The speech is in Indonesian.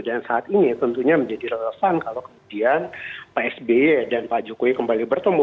dan saat ini tentunya menjadi relevan kalau kemudian pak sby dan pak jokowi kembali bertemu